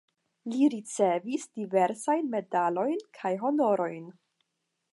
Li ricevis diversajn medalojn kaj honorojn.